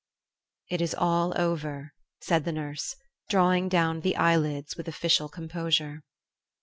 "It is all over," said the nurse, drawing down the eyelids with official composure.